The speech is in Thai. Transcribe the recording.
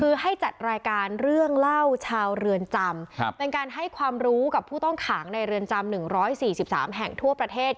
คือให้จัดรายการเรื่องเล่าชาวเรือนจำครับเป็นการให้ความรู้กับผู้ต้องขางในเรือนจำหนึ่งร้อยสี่สิบสามแห่งทั่วประเทศ